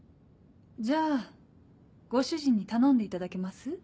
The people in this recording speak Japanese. じゃあご主人に頼んでいただけます？